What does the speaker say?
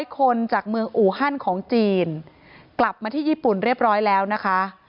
คนจากเมืองอูฮันของจีนกลับมาที่ญี่ปุ่นเรียบร้อยแล้วนะคะ